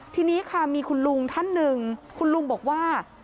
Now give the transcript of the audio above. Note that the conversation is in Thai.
ทีนี้ค่ะมีคุณลุงท่านหนึ่งคุณลุงบอกว่า